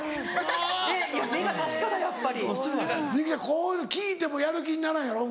こういうの聞いてもやる気にならんやろ？